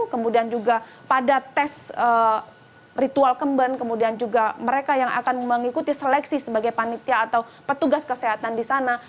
kemudian juga pada tes ritual kemben kemudian juga mereka yang akan mengikuti seleksi sebagai panitia atau petugas kesehatan di sana